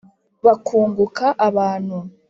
bakunguka abantu.